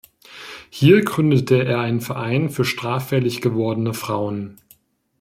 Hier gründete er einen Verein für straffällig gewordene Frauen.